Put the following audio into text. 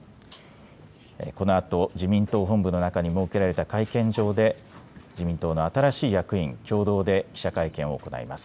このあと自民党本部の中に設けられた会見場で、自民党の新しい役員、共同で記者会見を行います。